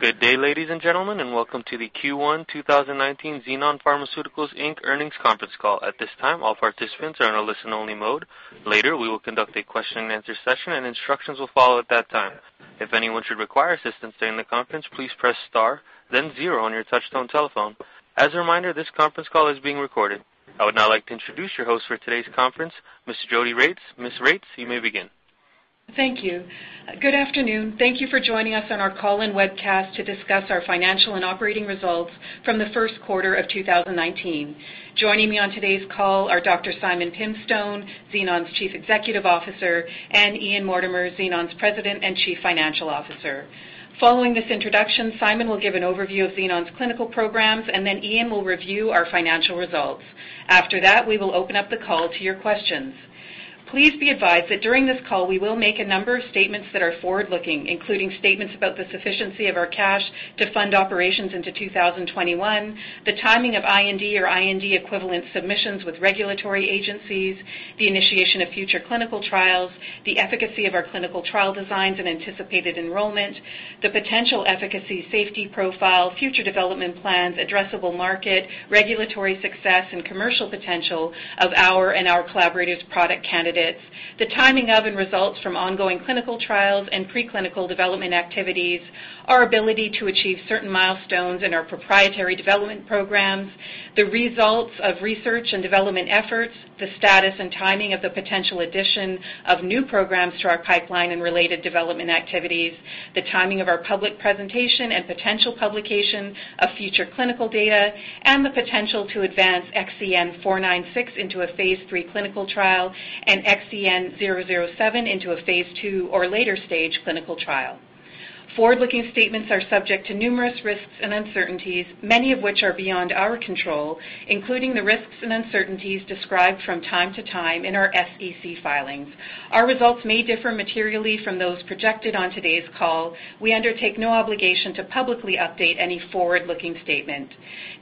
Good day, ladies and gentlemen, and welcome to the Q1 2019 Xenon Pharmaceuticals Inc. earnings conference call. At this time, all participants are in a listen only mode. Later, we will conduct a question and answer session and instructions will follow at that time. If anyone should require assistance during the conference, please press star then zero on your touchtone telephone. As a reminder, this conference call is being recorded. I would now like to introduce your host for today's conference, Ms. Jodi Regts. Ms. Rates, you may begin. Thank you. Good afternoon. Thank you for joining us on our call and webcast to discuss our financial and operating results from the first quarter of 2019. Joining me on today's call are Dr. Simon Pimstone, Xenon's Chief Executive Officer, and Ian Mortimer, Xenon's President and Chief Financial Officer. Following this introduction, Simon will give an overview of Xenon's clinical programs. Then Ian will review our financial results. After that, we will open up the call to your questions. Please be advised that during this call, we will make a number of statements that are forward-looking, including statements about the sufficiency of our cash to fund operations into 2021, the timing of IND or IND equivalent submissions with regulatory agencies, the initiation of future clinical trials, the efficacy of our clinical trial designs, and anticipated enrollment, the potential efficacy safety profile, future development plans, addressable market, regulatory success, and commercial potential of our and our collaborators product candidates. The timing of and results from ongoing clinical trials and preclinical development activities, our ability to achieve certain milestones in our proprietary development programs, the results of research and development efforts, the status and timing of the potential addition of new programs to our pipeline and related development activities, the timing of our public presentation and potential publication of future clinical data, the potential to advance XEN496 into a phase III clinical trial and XEN007 into a phase II or later stage clinical trial. Forward-looking statements are subject to numerous risks and uncertainties, many of which are beyond our control, including the risks and uncertainties described from time to time in our SEC filings. Our results may differ materially from those projected on today's call. We undertake no obligation to publicly update any forward-looking statement.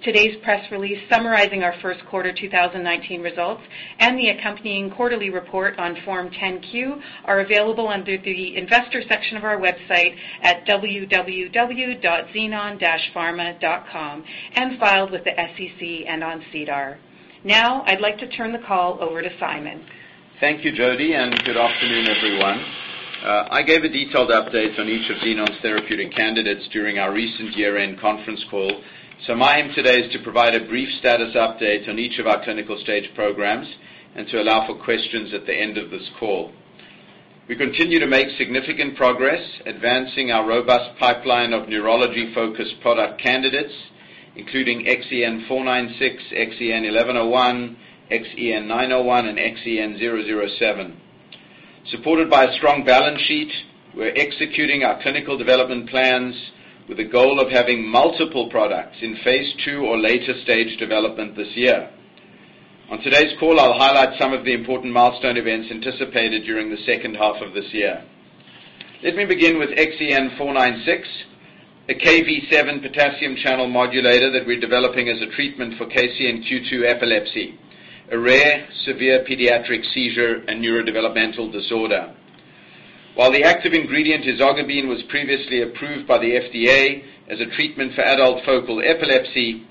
Today's press release summarizing our first quarter 2019 results and the accompanying quarterly report on Form 10-Q are available under the investor section of our website at www.xenon-pharma.com and filed with the SEC and on SEDAR. I'd like to turn the call over to Simon. Thank you, Jodi, and good afternoon, everyone. I gave a detailed update on each of Xenon's therapeutic candidates during our recent year-end conference call. My aim today is to provide a brief status update on each of our clinical stage programs and to allow for questions at the end of this call. We continue to make significant progress advancing our robust pipeline of neurology-focused product candidates, including XEN496, XEN1101, XEN901, and XEN007. Supported by a strong balance sheet, we're executing our clinical development plans with the goal of having multiple products in phase II or later stage development this year. On today's call, I'll highlight some of the important milestone events anticipated during the second half of this year. Let me begin with XEN496, a Kv7 potassium channel modulator that we're developing as a treatment for KCNQ2 epilepsy, a rare severe pediatric seizure and neurodevelopmental disorder. While the active ingredient, ezogabine, was previously approved by the FDA as a treatment for adult focal epilepsy,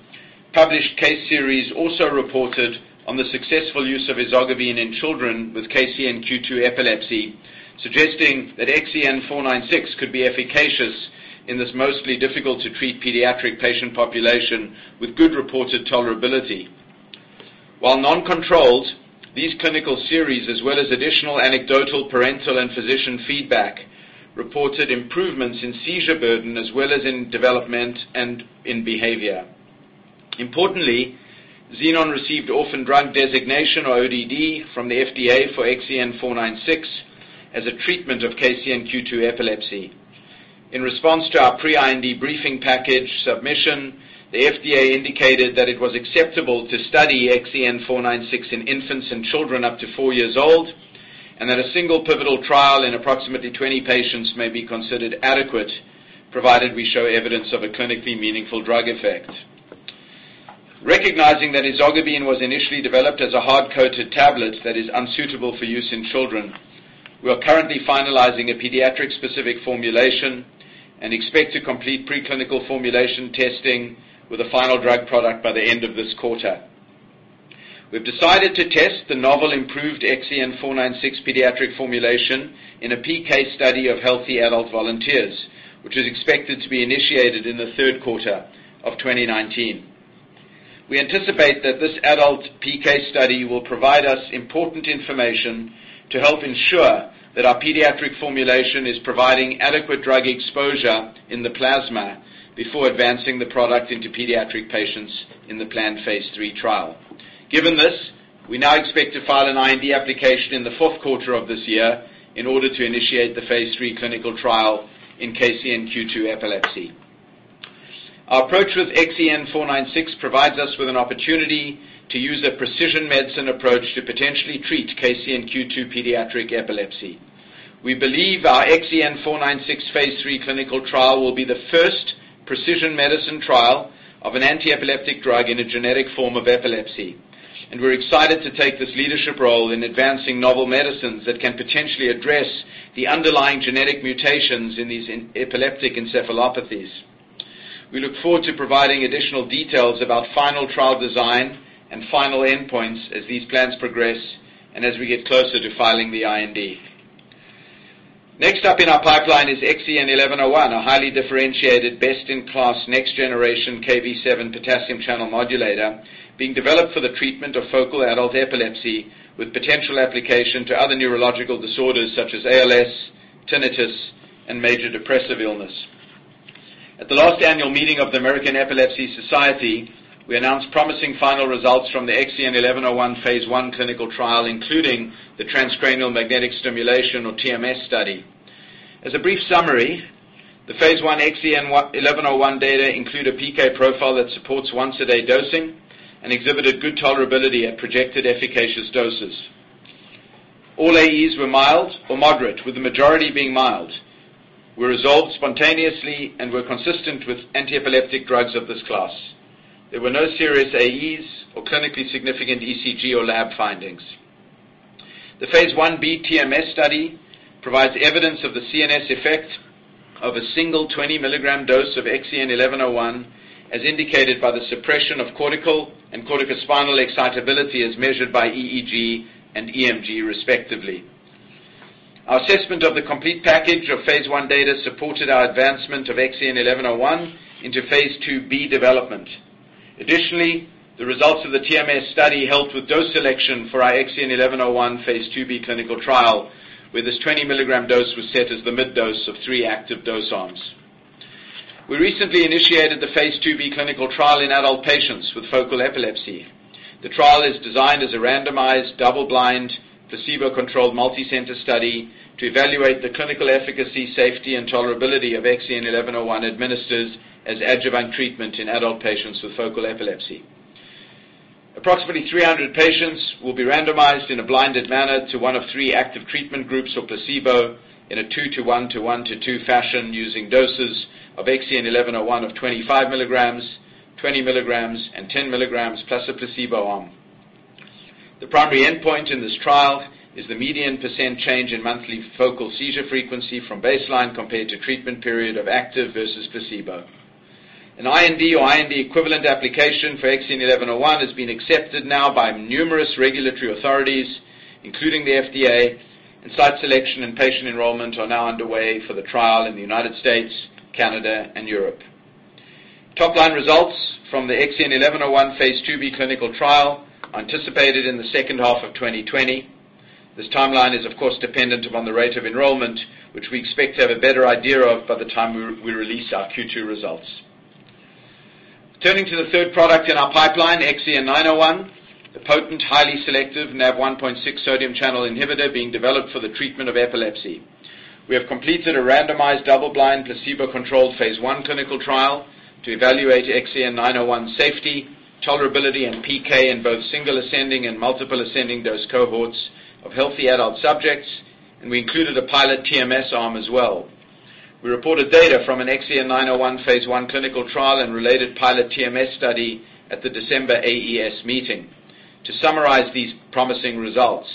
published case series also reported on the successful use of ezogabine in children with KCNQ2 epilepsy, suggesting that XEN496 could be efficacious in this mostly difficult-to-treat pediatric patient population with good reported tolerability. While non-controlled, these clinical series, as well as additional anecdotal parental and physician feedback, reported improvements in seizure burden as well as in development and in behavior. Importantly, Xenon received orphan drug designation, or ODD, from the FDA for XEN496 as a treatment of KCNQ2 epilepsy. In response to our pre-IND briefing package submission, the FDA indicated that it was acceptable to study XEN496 in infants and children up to four years old, and that a single pivotal trial in approximately 20 patients may be considered adequate, provided we show evidence of a clinically meaningful drug effect. Recognizing that ezogabine was initially developed as a hard-coated tablet that is unsuitable for use in children, we are currently finalizing a pediatric-specific formulation and expect to complete preclinical formulation testing with a final drug product by the end of this quarter. We've decided to test the novel improved XEN496 pediatric formulation in a PK study of healthy adult volunteers, which is expected to be initiated in the third quarter of 2019. We anticipate that this adult PK study will provide us important information to help ensure that our pediatric formulation is providing adequate drug exposure in the plasma before advancing the product into pediatric patients in the planned phase III trial. Given this, we now expect to file an IND application in the fourth quarter of this year in order to initiate the phase III clinical trial in KCNQ2 epilepsy. Our approach with XEN496 provides us with an opportunity to use a precision medicine approach to potentially treat KCNQ2 pediatric epilepsy. We believe our XEN496 phase III clinical trial will be the first precision medicine trial of an antiepileptic drug in a genetic form of epilepsy. We're excited to take this leadership role in advancing novel medicines that can potentially address the underlying genetic mutations in these epileptic encephalopathies. We look forward to providing additional details about final trial design and final endpoints as these plans progress and as we get closer to filing the IND. Next up in our pipeline is XEN1101, a highly differentiated, best-in-class, next generation KV7 potassium channel modulator being developed for the treatment of focal adult epilepsy with potential application to other neurological disorders such as ALS, tinnitus, and major depressive illness. At the last annual meeting of the American Epilepsy Society, we announced promising final results from the XEN1101 phase I clinical trial, including the transcranial magnetic stimulation, or TMS, study. As a brief summary, the phase I XEN1101 data include a PK profile that supports once-a-day dosing and exhibited good tolerability at projected efficacious doses. All AEs were mild or moderate, with the majority being mild, were resolved spontaneously, and were consistent with antiepileptic drugs of this class. There were no serious AEs or clinically significant ECG or lab findings. The phase I-B TMS study provides evidence of the CNS effect of a single 20 mg dose of XEN1101, as indicated by the suppression of cortical and corticospinal excitability as measured by EEG and EMG, respectively. Our assessment of the complete package of phase I data supported our advancement of XEN1101 into phase II-B development. Additionally, the results of the TMS study helped with dose selection for our XEN1101 phase II-B clinical trial, where this 20 mg dose was set as the mid dose of three active dose arms. We recently initiated the phase II-B clinical trial in adult patients with focal epilepsy. The trial is designed as a randomized, double-blind, placebo-controlled, multicenter study to evaluate the clinical efficacy, safety, and tolerability of XEN1101 administered as adjuvant treatment in adult patients with focal epilepsy. Approximately 300 patients will be randomized in a blinded manner to one of three active treatment groups or placebo in a two to one to one to two fashion using doses of XEN1101 of 25 mg, 20 mg, and 10 mg plus a placebo arm. The primary endpoint in this trial is the median % change in monthly focal seizure frequency from baseline compared to treatment period of active versus placebo. An IND or IND-equivalent application for XEN1101 has been accepted now by numerous regulatory authorities, including the FDA, and site selection and patient enrollment are now underway for the trial in the U.S., Canada, and Europe. Top-line results from the XEN1101 phase II-B clinical trial anticipated in the second half of 2020. This timeline is, of course, dependent upon the rate of enrollment, which we expect to have a better idea of by the time we release our Q2 results. Turning to the third product in our pipeline, XEN901, a potent, highly selective Nav1.6 sodium channel inhibitor being developed for the treatment of epilepsy. We have completed a randomized, double-blind, placebo-controlled phase I clinical trial to evaluate XEN901's safety, tolerability, and PK in both single-ascending and multiple-ascending dose cohorts of healthy adult subjects, and we included a pilot TMS arm as well. We reported data from an XEN901 phase I clinical trial and related pilot TMS study at the December AES meeting. To summarize these promising results,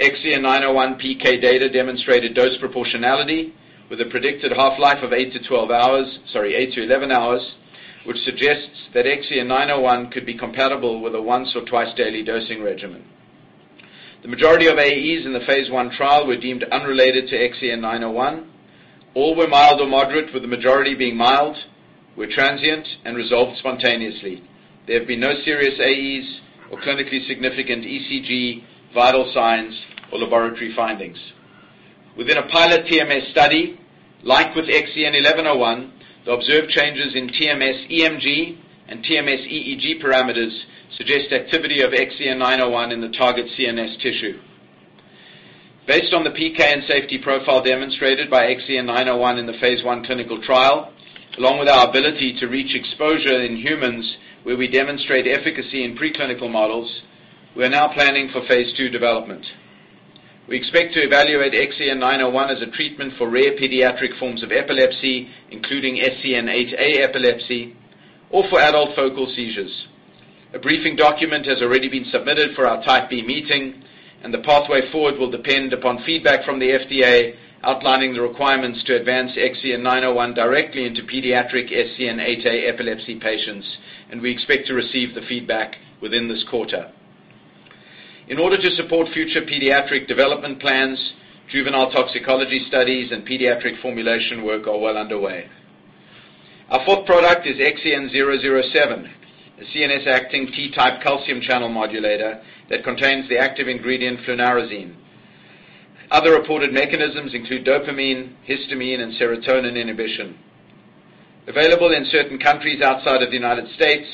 XEN901 PK data demonstrated dose proportionality with a predicted half-life of 8 to 11 hours, which suggests that XEN901 could be compatible with a once- or twice-daily dosing regimen. The majority of AEs in the phase I trial were deemed unrelated to XEN901. All were mild or moderate, with the majority being mild, were transient, and resolved spontaneously. There have been no serious AEs or clinically significant ECG, vital signs, or laboratory findings. Within a pilot TMS study, like with XEN1101, the observed changes in TMS-EMG and TMS-EEG parameters suggest activity of XEN901 in the target CNS tissue. Based on the PK and safety profile demonstrated by XEN901 in the phase I clinical trial, along with our ability to reach exposure in humans where we demonstrate efficacy in preclinical models, we are now planning for phase II development. We expect to evaluate XEN901 as a treatment for rare pediatric forms of epilepsy, including SCN8A epilepsy, or for adult focal seizures. A briefing document has already been submitted for our Type B meeting, and the pathway forward will depend upon feedback from the FDA outlining the requirements to advance XEN901 directly into pediatric SCN8A epilepsy patients, and we expect to receive the feedback within this quarter. In order to support future pediatric development plans, juvenile toxicology studies and pediatric formulation work are well underway. Our fourth product is XEN007, a CNS-acting T-type calcium channel modulator that contains the active ingredient flunarizine. Other reported mechanisms include dopamine, histamine, and serotonin inhibition. Available in certain countries outside of the U.S.,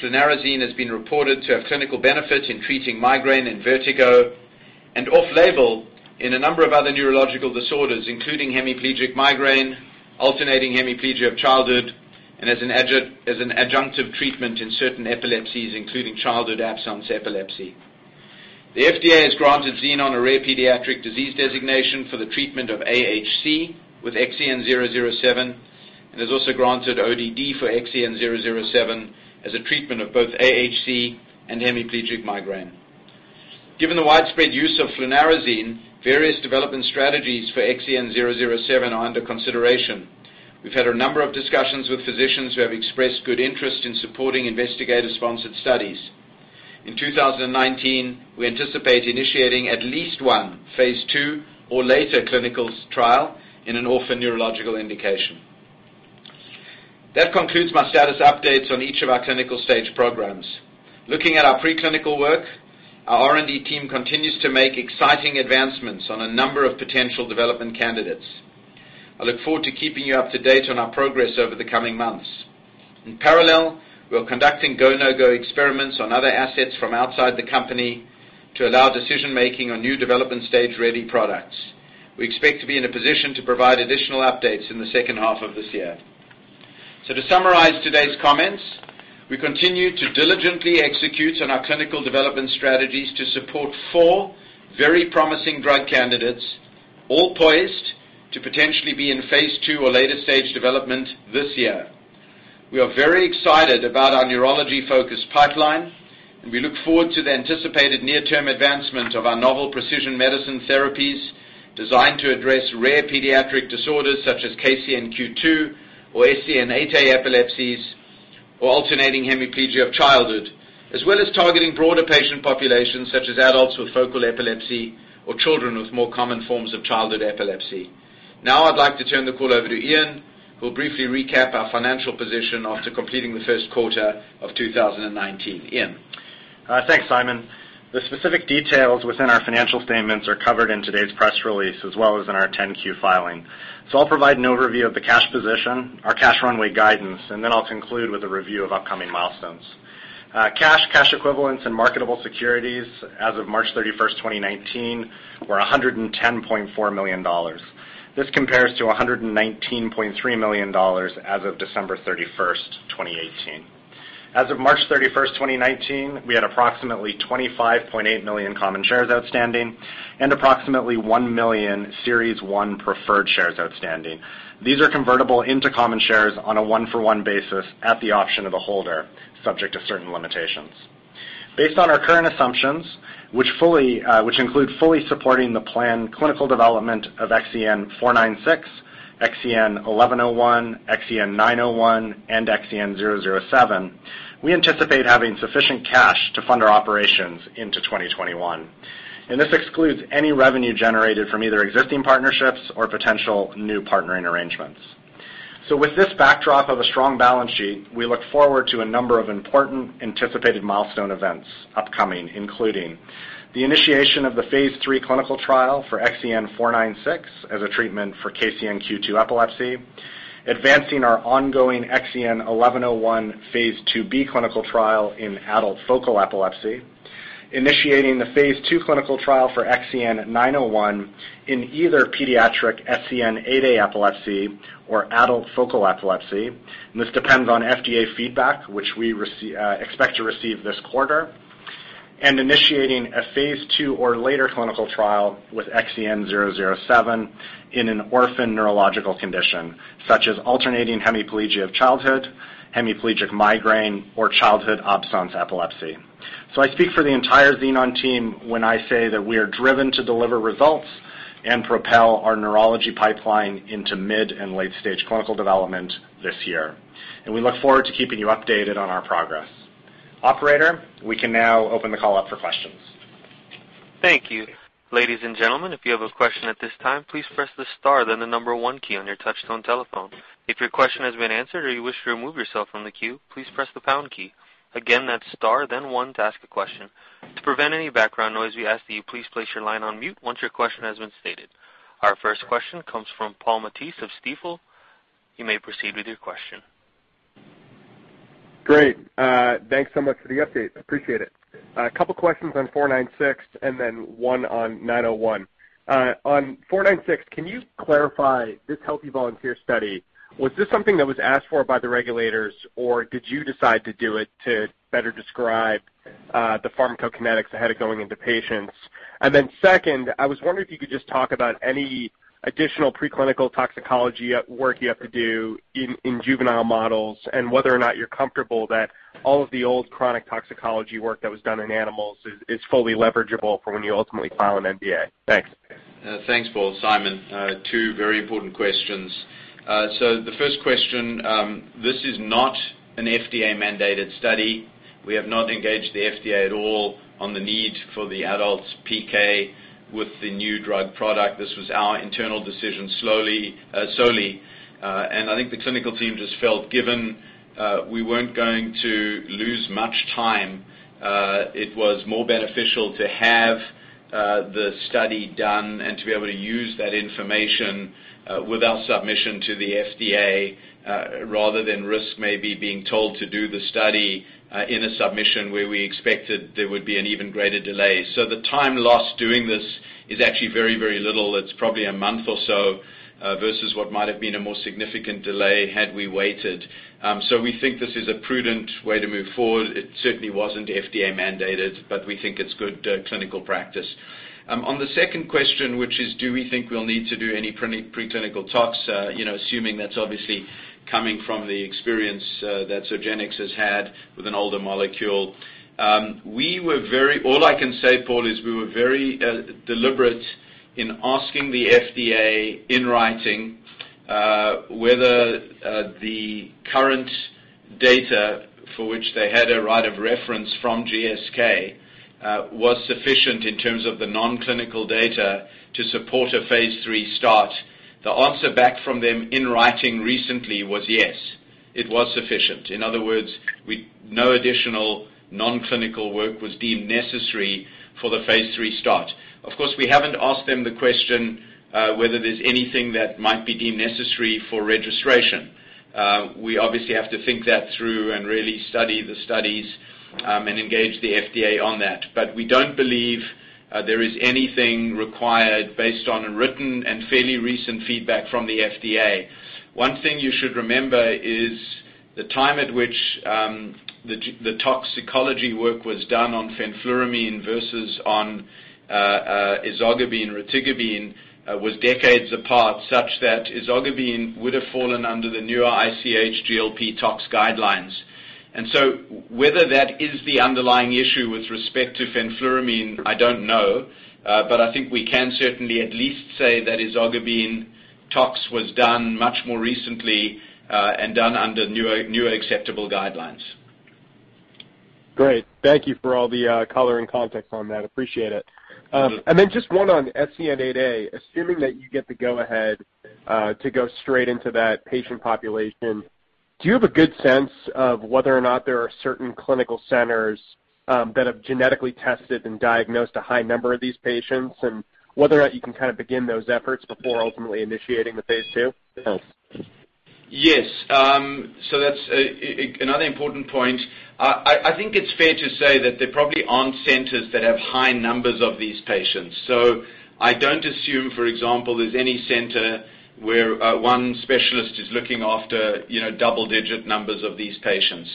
flunarizine has been reported to have clinical benefit in treating migraine and vertigo, and off-label in a number of other neurological disorders, including hemiplegic migraine, alternating hemiplegia of childhood, and as an adjunctive treatment in certain epilepsies, including childhood absence epilepsy. The FDA has granted Xenon a rare pediatric disease designation for the treatment of AHC with XEN007, and has also granted ODD for XEN007 as a treatment of both AHC and hemiplegic migraine. Given the widespread use of flunarizine, various development strategies for XEN007 are under consideration. We've had a number of discussions with physicians who have expressed good interest in supporting investigator-sponsored studies. In 2019, we anticipate initiating at least one phase II or later clinical trial in an orphan neurological indication. That concludes my status updates on each of our clinical stage programs. Looking at our preclinical work, our R&D team continues to make exciting advancements on a number of potential development candidates. I look forward to keeping you up to date on our progress over the coming months. In parallel, we are conducting go/no-go experiments on other assets from outside the company to allow decision-making on new development stage-ready products. To summarize today's comments, we continue to diligently execute on our clinical development strategies to support four very promising drug candidates, all poised to potentially be in phase II or later stage development this year. We are very excited about our neurology-focused pipeline, and we look forward to the anticipated near-term advancement of our novel precision medicine therapies designed to address rare pediatric disorders such as KCNQ2 or SCN8A epilepsies or alternating hemiplegia of childhood, as well as targeting broader patient populations such as adults with focal epilepsy or children with more common forms of childhood epilepsy. I'd like to turn the call over to Ian, who'll briefly recap our financial position after completing the first quarter of 2019. Ian? Thanks, Simon. The specific details within our financial statements are covered in today's press release as well as in our 10-Q filing. I'll provide an overview of the cash position, our cash runway guidance, I'll conclude with a review of upcoming milestones. Cash, cash equivalents, and marketable securities as of March 31st, 2019 were $110.4 million. This compares to $119.3 million as of December 31st, 2018. As of March 31st, 2019, we had approximately 25.8 million common shares outstanding and approximately 1 million Series 1 preferred shares outstanding. These are convertible into common shares on a one-for-one basis at the option of a holder, subject to certain limitations. Based on our current assumptions, which include fully supporting the planned clinical development of XEN496, XEN1101, XEN901, and XEN007, we anticipate having sufficient cash to fund our operations into 2021. This excludes any revenue generated from either existing partnerships or potential new partnering arrangements. With this backdrop of a strong balance sheet, we look forward to a number of important anticipated milestone events upcoming, including the initiation of the Phase III clinical trial for XEN496 as a treatment for KCNQ2 epilepsy, advancing our ongoing XEN1101 Phase II-B clinical trial in adult focal epilepsy, initiating the Phase II clinical trial for XEN901 in either pediatric SCN8A epilepsy or adult focal epilepsy. This depends on FDA feedback, which we expect to receive this quarter. Initiating a Phase II or later clinical trial with XEN007 in an orphan neurological condition, such as alternating hemiplegia of childhood, hemiplegic migraine, or childhood absence epilepsy. I speak for the entire Xenon team when I say that we are driven to deliver results and propel our neurology pipeline into mid and late-stage clinical development this year. We look forward to keeping you updated on our progress. Operator, we can now open the call up for questions. Thank you. Ladies and gentlemen, if you have a question at this time, please press the star then the number one key on your touchtone telephone. If your question has been answered or you wish to remove yourself from the queue, please press the pound key. Again, that's star then one to ask a question. To prevent any background noise, we ask that you please place your line on mute once your question has been stated. Our first question comes from Paul Matteis of Stifel. You may proceed with your question. Great. Thanks so much for the update. Appreciate it. A couple questions on 496 and then one on 901. On 496, can you clarify this healthy volunteer study? Was this something that was asked for by the regulators, or did you decide to do it to better describe the pharmacokinetics ahead of going into patients? Second, I was wondering if you could just talk about any additional preclinical toxicology work you have to do in juvenile models, and whether or not you're comfortable that all of the old chronic toxicology work that was done in animals is fully leverageable for when you ultimately file an NDA. Thanks. Thanks, Paul. Simon. Two very important questions. The first question, this is not an FDA-mandated study. We have not engaged the FDA at all on the need for the adult's PK with the new drug product. This was our internal decision solely. I think the clinical team just felt given we weren't going to lose much time, it was more beneficial to have the study done and to be able to use that information with our submission to the FDA, rather than risk maybe being told to do the study in a submission where we expected there would be an even greater delay. The time lost doing this is actually very, very little. It's probably a month or so. Versus what might have been a more significant delay had we waited. We think this is a prudent way to move forward. It certainly wasn't FDA mandated, but we think it's good clinical practice. On the second question, which is do we think we'll need to do any preclinical tox, assuming that's obviously coming from the experience that Zogenix has had with an older molecule. All I can say, Paul, is we were very deliberate in asking the FDA in writing, whether the current data for which they had a right of reference from GSK, was sufficient in terms of the non-clinical data to support a phase III start. The answer back from them in writing recently was yes, it was sufficient. In other words, no additional non-clinical work was deemed necessary for the phase III start. Of course, we haven't asked them the question whether there's anything that might be deemed necessary for registration. We obviously have to think that through and really study the studies, and engage the FDA on that. We don't believe there is anything required based on a written and fairly recent feedback from the FDA. One thing you should remember is the time at which the toxicology work was done on fenfluramine versus on ezogabine, retigabine was decades apart, such that ezogabine would have fallen under the newer ICH GLP tox guidelines. Whether that is the underlying issue with respect to fenfluramine, I don't know. I think we can certainly at least say that ezogabine tox was done much more recently, and done under newer acceptable guidelines. Great. Thank you for all the color and context on that. Appreciate it. Just one on SCN8A. Assuming that you get the go-ahead to go straight into that patient population, do you have a good sense of whether or not there are certain clinical centers that have genetically tested and diagnosed a high number of these patients? Whether or not you can begin those efforts before ultimately initiating the phase II? Thanks. Yes. That's another important point. I think it's fair to say that there probably aren't centers that have high numbers of these patients. I don't assume, for example, there's any center where one specialist is looking after double-digit numbers of these patients.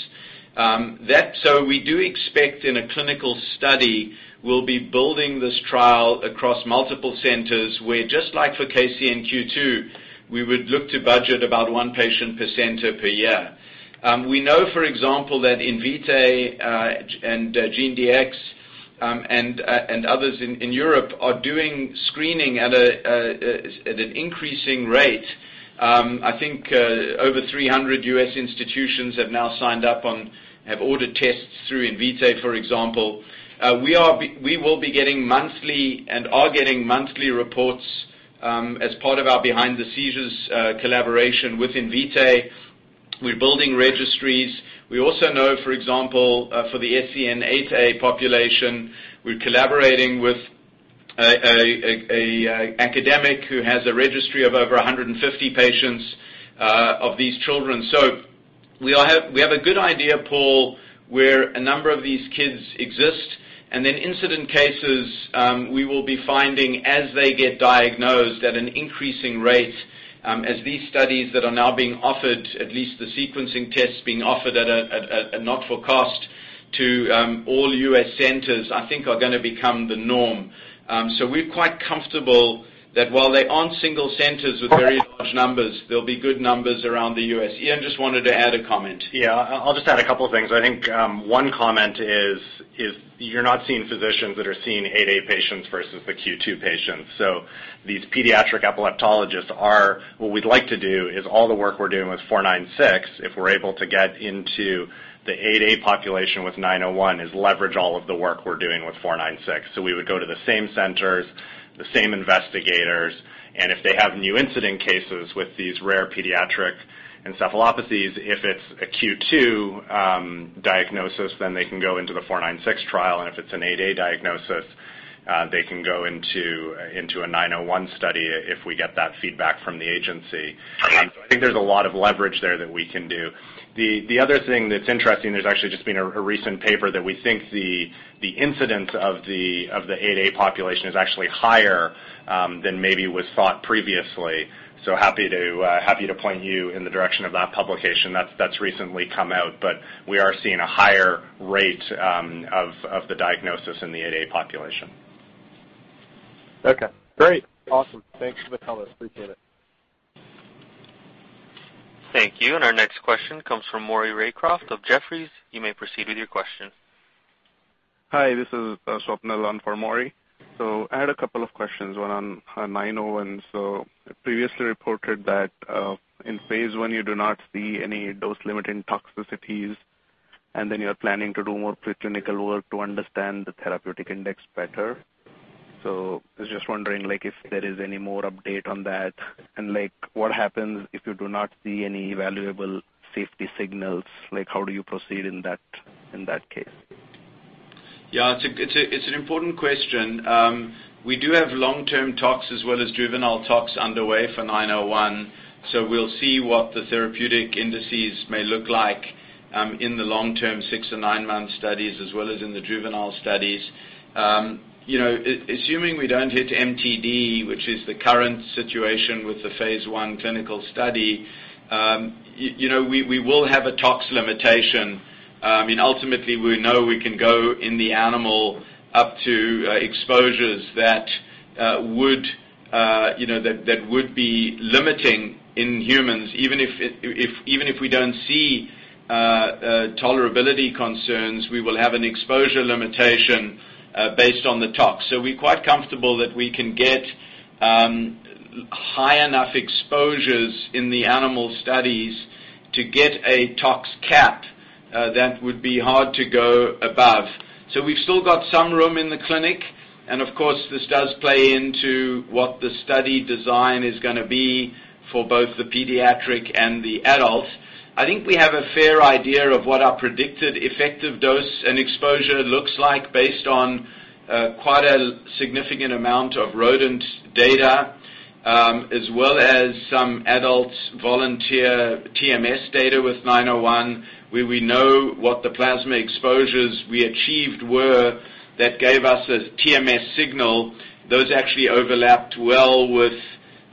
We do expect in a clinical study, we'll be building this trial across multiple centers where, just like for KCNQ2, we would look to budget about one patient per center per year. We know, for example, that Invitae, GeneDx, and others in Europe are doing screening at an increasing rate. I think over 300 U.S. institutions have now signed up, have ordered tests through Invitae, for example. We will be getting monthly and are getting monthly reports, as part of our Behind the Seizures collaboration with Invitae. We're building registries. We also know, for example, for the SCN8A population, we're collaborating with an academic who has a registry of over 150 patients of these children. We have a good idea, Paul, where a number of these kids exist. Incident cases, we will be finding as they get diagnosed at an increasing rate, as these studies that are now being offered, at least the sequencing tests being offered at a not-for cost to all U.S. centers, I think are going to become the norm. We're quite comfortable that while there aren't single centers with very large numbers, there'll be good numbers around the U.S. Ian just wanted to add a comment. Yeah. I'll just add a couple of things. I think one comment is you're not seeing physicians that are seeing 8A patients versus the Q2 patients. These pediatric epileptologists, what we'd like to do is all the work we're doing with 496, if we're able to get into the 8A population with 901, is leverage all of the work we're doing with 496. We would go to the same centers, the same investigators, and if they have new incident cases with these rare pediatric encephalopathies, if it's a Q2 diagnosis, then they can go into the 496 trial, and if it's an 8A diagnosis, they can go into a 901 study if we get that feedback from the agency. Okay. I think there's a lot of leverage there that we can do. The other thing that's interesting, there's actually just been a recent paper that we think the incidence of the 8A population is actually higher than maybe was thought previously. Happy to point you in the direction of that publication that's recently come out. We are seeing a higher rate of the diagnosis in the 8A population. Okay. Great. Awesome. Thanks for the comments. Appreciate it. Thank you. Our next question comes from Maury Raycroft of Jefferies. You may proceed with your question. Hi, this is Swapnil on for Maury. I had a couple of questions, one on 901. Previously reported that, in phase I, you do not see any dose-limiting toxicities, and then you are planning to do more preclinical work to understand the therapeutic index better. I was just wondering if there is any more update on that, and what happens if you do not see any valuable safety signals, like how do you proceed in that case? Yeah. It's an important question. We do have long-term tox as well as juvenile tox underway for 901. We'll see what the therapeutic indices may look like In the long term, six or nine-month studies, as well as in the juvenile studies. Assuming we don't hit MTD, which is the current situation with the phase I clinical study, we will have a tox limitation. Ultimately, we know we can go in the animal up to exposures that would be limiting in humans. Even if we don't see tolerability concerns, we will have an exposure limitation based on the tox. We're quite comfortable that we can get high enough exposures in the animal studies to get a tox cap that would be hard to go above. We've still got some room in the clinic, and of course, this does play into what the study design is going to be for both the pediatric and the adult. I think we have a fair idea of what our predicted effective dose and exposure looks like based on quite a significant amount of rodent data, as well as some adult volunteer TMS data with 901, where we know what the plasma exposures we achieved were that gave us a TMS signal. Those actually overlapped well with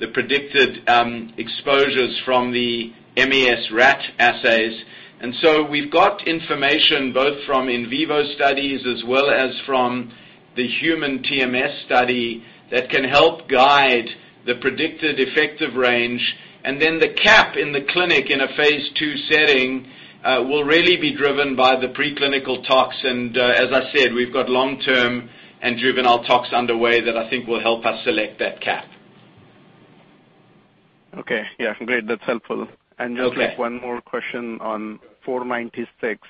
the predicted exposures from the MES rat assays. We've got information both from in vivo studies as well as from the human TMS study that can help guide the predicted effective range. The cap in the clinic in a phase II setting will really be driven by the preclinical tox. As I said, we've got long-term and juvenile tox underway that I think will help us select that cap. Okay. Yeah, great. That's helpful. Okay. Just one more question on 496.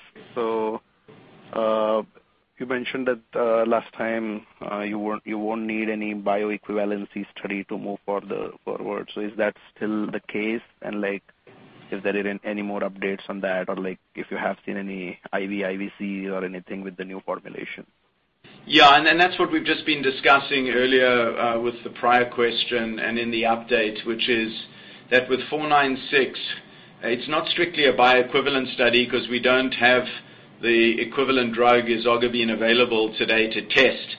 You mentioned that last time you won't need any bioequivalence study to move further forward. Is that still the case? Is there any more updates on that, or if you have seen any IVIVC or anything with the new formulation? Yeah. That's what we've just been discussing earlier with the prior question and in the update, which is that with 496, it's not strictly a bioequivalent study because we don't have the equivalent drug ezogabine available today to test.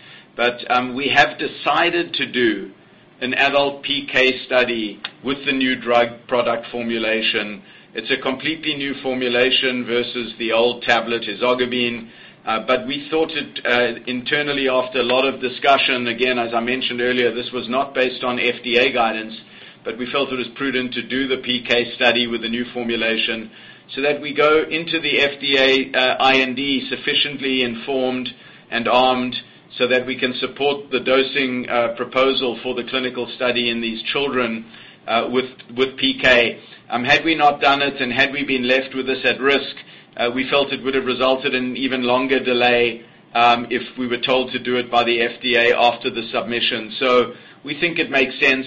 We have decided to do an adult PK study with the new drug product formulation. It's a completely new formulation versus the old tablet ezogabine. We thought it internally after a lot of discussion, again, as I mentioned earlier, this was not based on FDA guidance, but we felt it was prudent to do the PK study with the new formulation so that we go into the FDA IND sufficiently informed and armed so that we can support the dosing proposal for the clinical study in these children with PK. Had we not done it and had we been left with this at risk, we felt it would have resulted in even longer delay if we were told to do it by the FDA after the submission. We think it makes sense.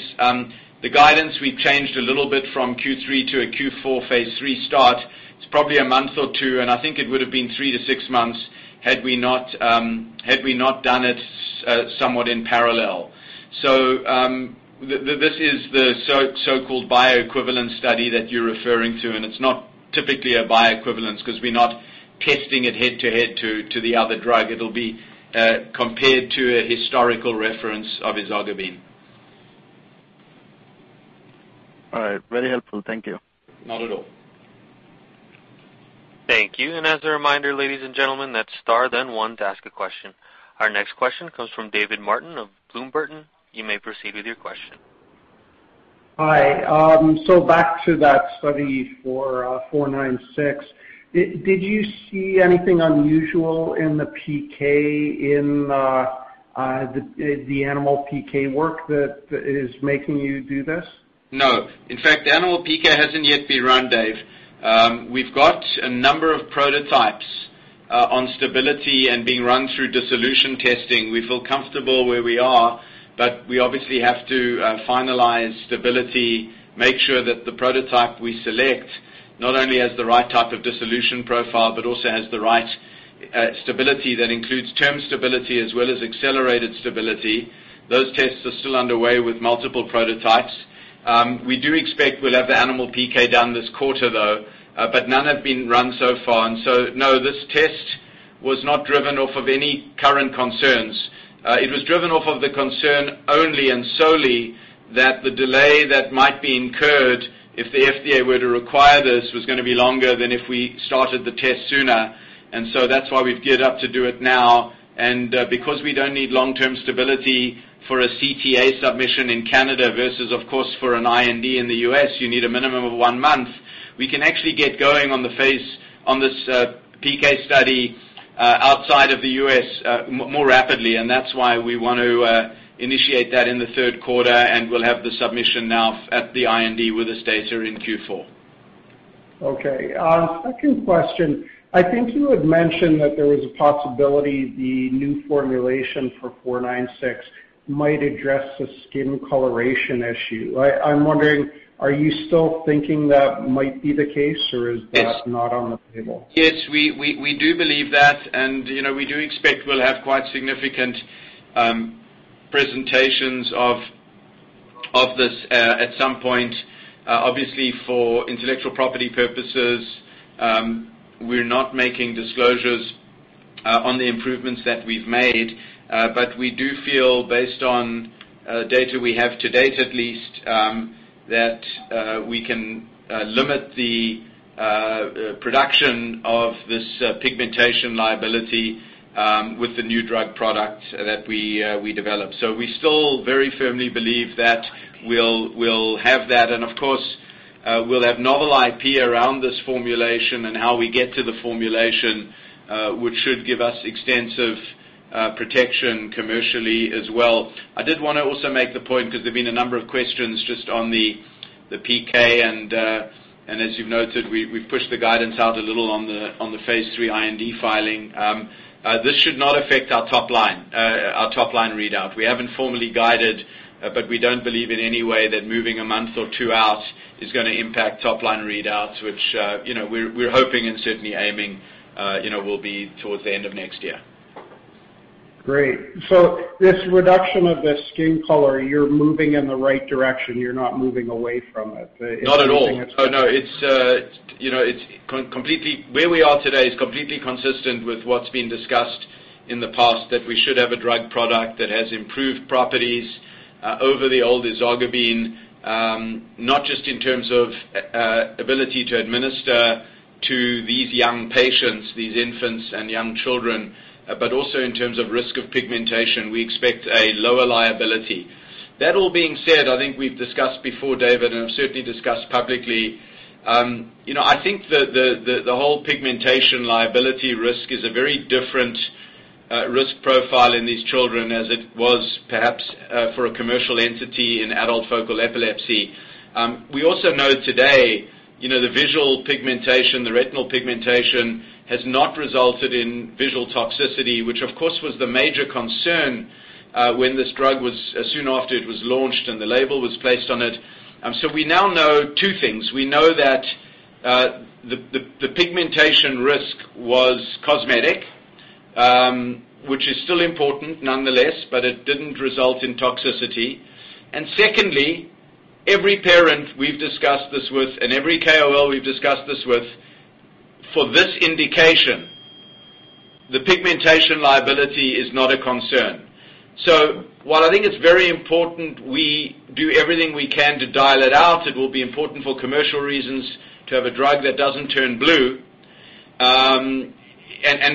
The guidance, we've changed a little bit from Q3 to a Q4 phase III start. It's probably 1 month or 2, and I think it would have been 3 to 6 months had we not done it somewhat in parallel. This is the so-called bioequivalent study that you're referring to, and it's not typically a bioequivalence because we're not testing it head-to-head to the other drug. It'll be compared to a historical reference of ezogabine. All right. Very helpful. Thank you. Not at all. Thank you. As a reminder, ladies and gentlemen, that's star 1 to ask a question. Our next question comes from David Martin of Bloom Burton. You may proceed with your question. Hi. Back to that study for XEN496. Did you see anything unusual in the PK in the animal PK work that is making you do this? No. In fact, the animal PK hasn't yet been run, David. We've got a number of prototypes on stability and being run through dissolution testing. We feel comfortable where we are, but we obviously have to finalize stability, make sure that the prototype we select not only has the right type of dissolution profile but also has the right stability. That includes term stability as well as accelerated stability. Those tests are still underway with multiple prototypes. We do expect we'll have the animal PK done this quarter, though, but none have been run so far. No, this test was not driven off of any current concerns. It was driven off of the concern only and solely that the delay that might be incurred if the FDA were to require this was going to be longer than if we started the test sooner. That's why we've geared up to do it now. Because we don't need long-term stability for a CTA submission in Canada versus, of course, for an IND in the U.S., you need a minimum of one month. We can actually get going on this PK study outside of the U.S. more rapidly, and that's why we want to initiate that in the third quarter, and we'll have the submission now at the IND with Asteta in Q4. Okay. Second question. I think you had mentioned that there was a possibility the new formulation for XEN496 might address the skin coloration issue. I'm wondering, are you still thinking that might be the case? Yes not on the table? Yes, we do believe that, and we do expect we will have quite significant presentations of this at some point. Obviously, for intellectual property purposes, we are not making disclosures on the improvements that we have made. We do feel, based on data we have to date at least, that we can limit the production of this pigmentation liability with the new drug product that we develop. We still very firmly believe that we will have that, and of course, we will have novel IP around this formulation and how we get to the formulation, which should give us extensive protection commercially as well. I did want to also make the point, because there's been a number of questions just on the PK, and as you've noted, we've pushed the guidance out a little on the phase III IND filing. This should not affect our top-line readout. We haven't formally guided, but we don't believe in any way that moving a month or two out is going to impact top-line readouts, which we're hoping and certainly aiming will be towards the end of next year. Great. This reduction of this skin color, you're moving in the right direction, you're not moving away from it? Not at all. Oh, no. Where we are today is completely consistent with what's been discussed in the past, that we should have a drug product that has improved properties over the old ezogabine. Not just in terms of ability to administer to these young patients, these infants and young children, but also in terms of risk of pigmentation. We expect a lower liability. That all being said, I think we've discussed before, David, and have certainly discussed publicly. I think the whole pigmentation liability risk is a very different risk profile in these children as it was perhaps for a commercial entity in adult focal epilepsy. We also know today, the visual pigmentation, the retinal pigmentation, has not resulted in visual toxicity, which, of course, was the major concern when this drug was soon after it was launched, and the label was placed on it. We now know two things. We know that the pigmentation risk was cosmetic, which is still important nonetheless, but it didn't result in toxicity. Secondly, every parent we've discussed this with and every KOL we've discussed this with, for this indication, the pigmentation liability is not a concern. While I think it's very important we do everything we can to dial it out, it will be important for commercial reasons to have a drug that doesn't turn blue.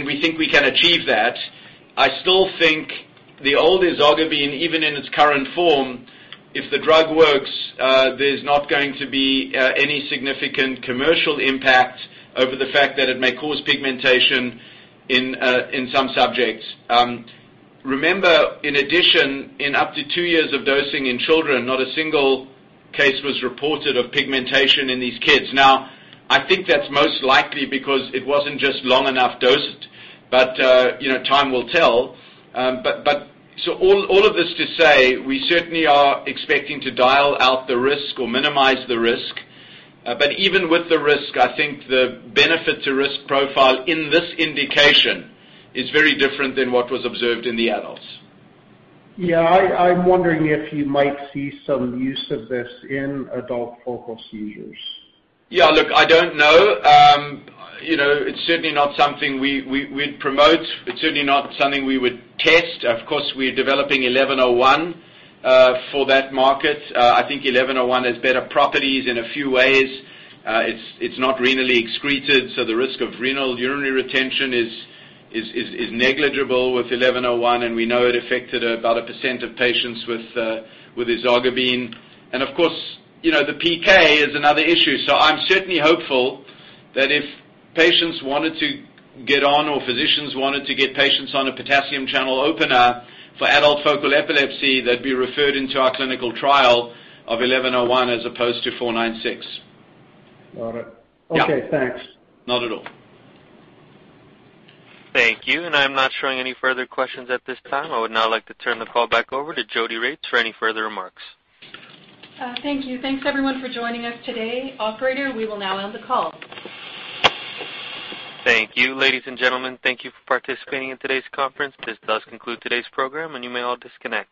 We think we can achieve that. I still think the old ezogabine, even in its current form, if the drug works, there's not going to be any significant commercial impact over the fact that it may cause pigmentation in some subjects. Remember, in addition, in up to two years of dosing in children, not a single case was reported of pigmentation in these kids. Now, I think that's most likely because it wasn't just long enough dosed, but time will tell. All of this to say, we certainly are expecting to dial out the risk or minimize the risk. Even with the risk, I think the benefit-to-risk profile in this indication is very different than what was observed in the adults. Yeah. I'm wondering if you might see some use of this in adult focal seizures. Yeah. Look, I don't know. It's certainly not something we'd promote. It's certainly not something we would test. Of course, we're developing 1101 for that market. I think 1101 has better properties in a few ways. It's not renally excreted, so the risk of renal urinary retention is negligible with 1101, and we know it affected about 1% of patients with ezogabine. Of course, the PK is another issue. I'm certainly hopeful that if patients wanted to get on or physicians wanted to get patients on a potassium channel opener for adult focal epilepsy, they'd be referred into our clinical trial of 1101 as opposed to 496. Got it. Yeah. Okay, thanks. Not at all. Thank you. I'm not showing any further questions at this time. I would now like to turn the call back over to Jodi Choi for any further remarks. Thank you. Thanks, everyone, for joining us today. Operator, we will now end the call. Thank you, ladies and gentlemen. Thank you for participating in today's conference. This does conclude today's program, and you may all disconnect.